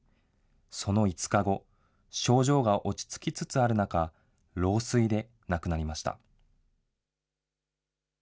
その５日後、症状が落ち着きつつある中、老衰で亡くなりました。